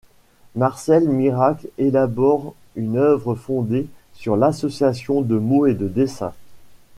Marcel Miracle élabore une œuvre fondée sur l'association de mots et de dessins.